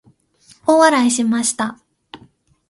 大笑いしました。